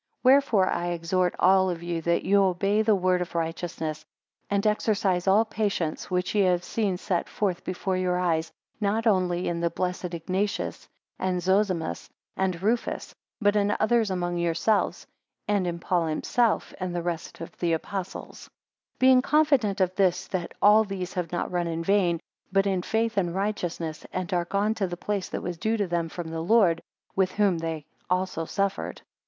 7 Wherefore I exhort all of you that ye obey the word of righteousness, and exercise all patience; which ye have seen set forth before your eyes, not only in the blessed Ignatius, and Zozimus, and Rufus; but in others among yourselves; and in Paul himself, and the rest of the Apostles: 8 Being confident of this, that all these have not run in vain, but in faith and righteousness; and are gone to the place that was due to them from the Lord; with whom also they suffered.